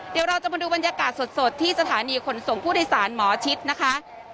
เดี๋ยวเราจะมาดูบรรยากาศสดที่สถานีขนส่งผู้โดยสารหมอชิดนะคะ